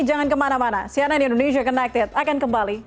jangan kemana mana cnn indonesia connected akan kembali